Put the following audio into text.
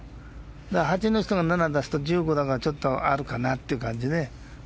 ８の人が７を出すと１５だから、ちょっとあるかなという感じでね。